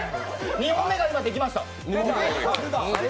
２本目が今、できました。